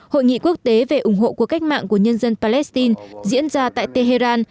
hội nghị quốc tế về ủng hộ cuộc cách mạng của nhân dân palestine diễn ra tại tehran